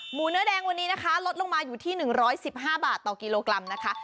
เนื้อแดงวันนี้นะคะลดลงมาอยู่ที่๑๑๕บาทต่อกิโลกรัมนะคะ